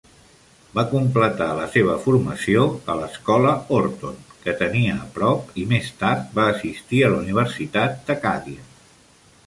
Va completar la seva formació a la escola Horton, que tenia a prop, i més tard va assistir a la Universitat d'Acàdia.